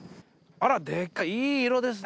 あらでかいいい色ですね。